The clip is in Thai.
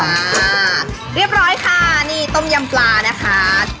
อ่าเรียบร้อยค่ะนี่ต้มยำปลานะคะ